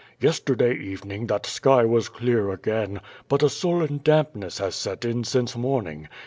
"Yesterday evening that sky was clear again, but a sullen dampness has set in since morn ing.